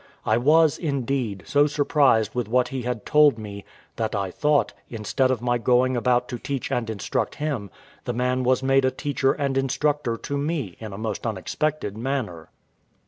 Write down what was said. I was, indeed, so surprised with what he had told me, that I thought, instead of my going about to teach and instruct him, the man was made a teacher and instructor to me in a most unexpected manner.